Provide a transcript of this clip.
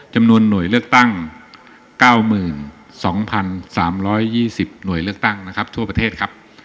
จำนวนหน่วยเลือกตั้ง๙๒๓๒๐หน่วยเลือกตั้งนะครับทั่วประเทศครับ